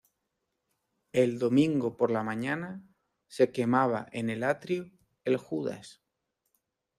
El Domingo por la mañana se quemaba en el atrio "el Judas".